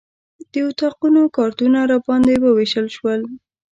د اتاقونو کارتونه راباندې ووېشل شول.